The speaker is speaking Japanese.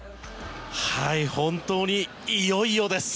本当にいよいよです。